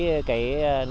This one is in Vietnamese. với cái nội dung của huyện